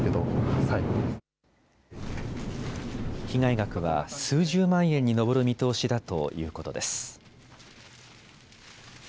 被害額は数十万円に上る見通しだということです。